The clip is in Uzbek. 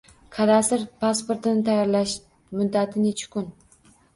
Kadastr pasportini tayyorlash muddati necha kun?